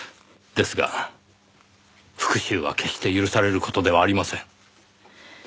ですが復讐は決して許される事ではありません。